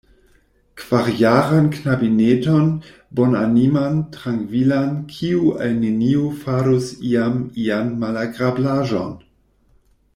Kvarjaran knabineton, bonaniman, trankvilan, kiu al neniu farus iam ian malagrablaĵon.